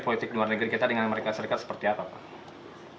politik luar negeri kita dengan amerika serikat seperti apa pak